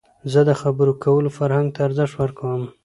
زه د خبرو کولو فرهنګ ته ارزښت ورکوم.